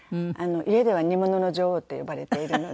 家では煮物の女王って呼ばれているので。